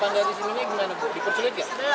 belum belum ada panggilan lagi ngantri